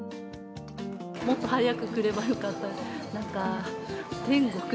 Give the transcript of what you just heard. もっと早く来ればよかった。